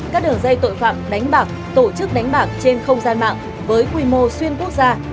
các đường dây tội phạm đánh bạc tổ chức đánh bạc trên không gian mạng với quy mô xuyên quốc gia